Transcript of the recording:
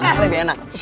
eh lebih enak